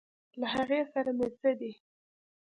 له هغې سره مې څه دي.